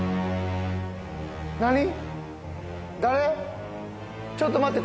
何？